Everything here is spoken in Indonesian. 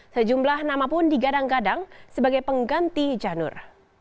sejumlah nama pun digadang gadang sebagai pengganti janur